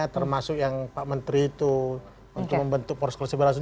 termasuk yang pak menteri itu untuk membentuk poros koalisi perubahan